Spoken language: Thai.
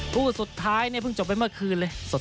คู่สุดท้ายเนี่ยเพิ่งจบไปเมื่อคืนเลยสด